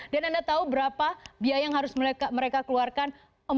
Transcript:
dan anda tahu berapa biaya yang harus mereka keluarkan